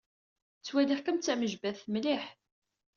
Ttwaliɣ-kem d tamejbadt mliḥ.